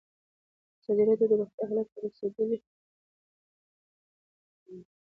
ازادي راډیو د روغتیا حالت ته رسېدلي پام کړی.